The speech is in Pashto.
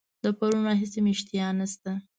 د پرون راهیسي مي اشتها نسته.